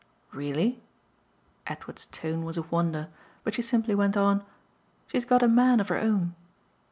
"Really?" Edward's tone was of wonder, but she simply went on: "She has got a man of her own."